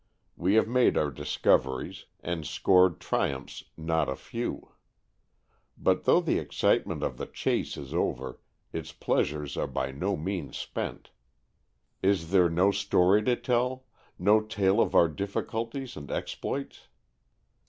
We have made our discoveries, and scored triumphs not a few. But though the excitement of the chase is over, its pleasures are by no means spent. Is there no story to tell, no tale of our difficulties and exploits?